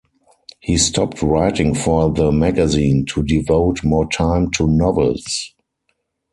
He stopped writing for the magazine to devote more time to novels.